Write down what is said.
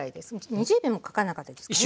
２０秒もかかんなかったですかね。